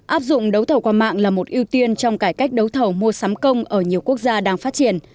áp dụng đấu thầu qua mạng là một ưu tiên trong cải cách đấu thầu mua sắm công ở nhiều quốc gia đang phát triển